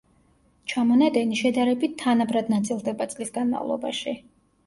ჩამონადენი შედარებით თანაბრად ნაწილდება წლის განმავლობაში.